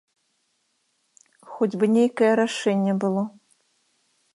Хоць бы нейкае рашэнне было.